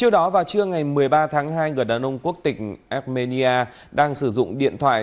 trước đó vào trưa ngày một mươi ba tháng hai người đàn ông quốc tịch armenia đang sử dụng điện thoại